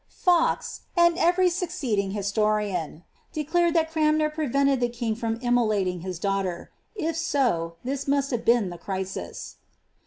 '^ Fox, and every succeeding historian, declare that Cranmer prevented the king from immolating his daughter; if so, this must have been the crisis.